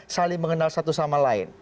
saling mengenal satu sama lain